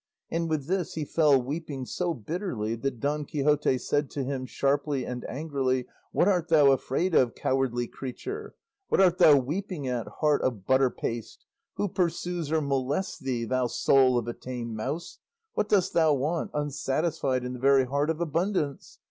And with this he fell weeping so bitterly, that Don Quixote said to him, sharply and angrily, "What art thou afraid of, cowardly creature? What art thou weeping at, heart of butter paste? Who pursues or molests thee, thou soul of a tame mouse? What dost thou want, unsatisfied in the very heart of abundance?